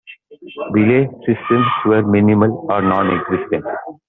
Belay systems were minimal or non-existent.